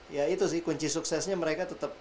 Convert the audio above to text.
ya itu sih kunci suksesnya mereka tetap